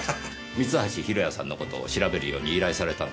三橋弘也さんの事を調べるように依頼されたんですね？